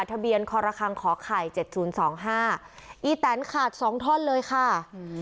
ทะเบียนคอรคังขอไข่เจ็ดศูนย์สองห้าอีแตนขาดสองท่อนเลยค่ะอืม